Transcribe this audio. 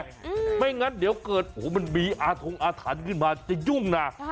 อือไม่งั้นเดี๋ยวเกิดโอ้โหมันมีอาธงอฐานขึ้นมาจะยุ่มนะ